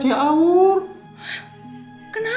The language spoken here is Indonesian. si yang chin